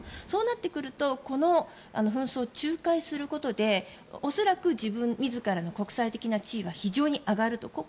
そうなってくるとこの紛争を仲介することで恐らく自らの国際的な地位は非常に上がると。